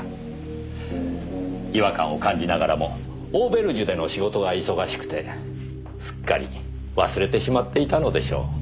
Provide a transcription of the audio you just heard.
違和感を感じながらもオーベルジュでの仕事が忙しくてすっかり忘れてしまっていたのでしょう。